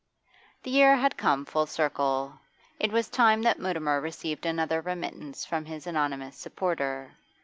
The year had come full circle; it was time that Mutimer received another remittance from his anonymous supporter.